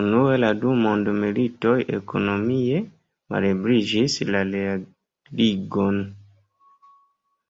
Unue la du mondmilitoj ekonomie malebligis la realigon.